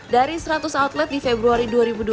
dari seratus outlet di februari dua ribu dua puluh